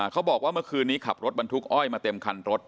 เขาบอกว่าเมื่อคืนนี้ขับรถบรรทุกอ้อยมาเต็มคันรถ